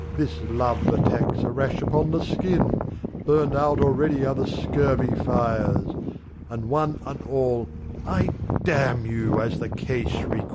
This love attack's a rash upon the skin. ACT V. 249 Burned out already are the scurvy fires, And one and all I damn you, as the case requires!